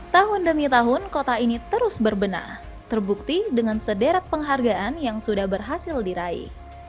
tahun demi tahun kota ini terus berbenah terbukti dengan sederet penghargaan yang sudah berhasil diraih